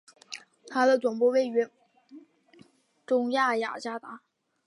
它的总部位于中亚雅加达。